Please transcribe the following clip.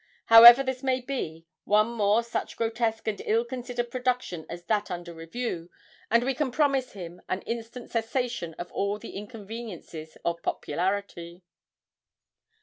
However this may be, one more such grotesque and ill considered production as that under review, and we can promise him an instant cessation of all the inconveniences of popularity.'